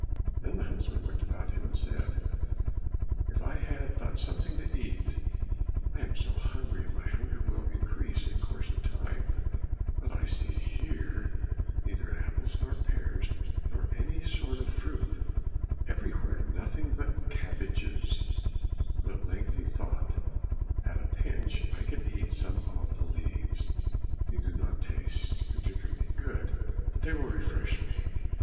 Then the huntsman looked about him and said, "If I had but something to eat! I am so hungry, and my hunger will increase in course of time; but I see here neither apples nor pears, nor any other sort of fruit, everywhere nothing but cabbages," but at length he thought, "At a pinch I can eat some of the leaves, they do not taste particularly good, but they will refresh me."